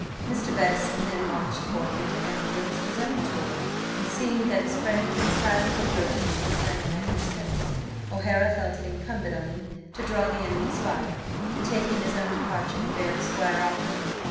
Mr. Bettison then launched forth into anecdotes of his own tour, and seeing that his friend was entirely engrossed with Miss Diana and her silks, O'Hara felt it incumbent on him to draw the enemy's fire, and, taking his own departure, to bear the squire off with him.